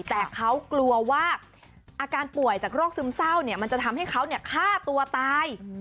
แต่เขากลัวว่าอาการป่วยจากโรคซึมเศร้าเนี่ยมันจะทำให้เขาฆ่าตัวตาย